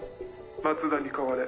松田に代われ。